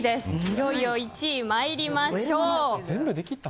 いよいよ１位、参りましょう。